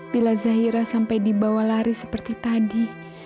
bila zahira sampai dibawa lari seperti tadi